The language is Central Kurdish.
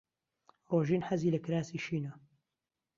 ڕۆژین حەزی لە کراسی شینە.